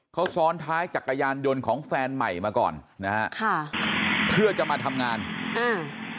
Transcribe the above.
เขาซ้อนท้ายจักรยานยนต์ของแฟนใหม่มาก่อนนะฮะค่ะเพื่อจะมาทำงานอ่า